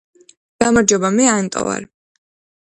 გამარჯობა მე ანტო ვარ